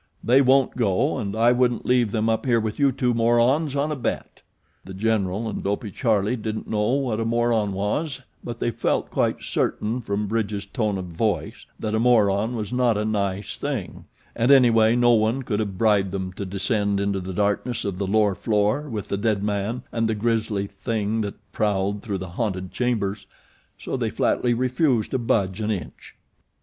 They won't go, and I wouldn't leave them up here with you two morons on a bet." The General and Dopey Charlie didn't know what a moron was but they felt quite certain from Bridge's tone of voice that a moron was not a nice thing, and anyway no one could have bribed them to descend into the darkness of the lower floor with the dead man and the grisly THING that prowled through the haunted chambers; so they flatly refused to budge an inch.